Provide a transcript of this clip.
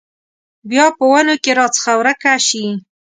بیا په ونو کې راڅخه ورکه شي